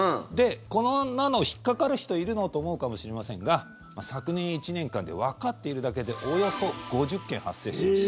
こんなの引っかかる人いるの？と思うかもしれませんが昨年１年間でわかっているだけでおよそ５０件、発生してます。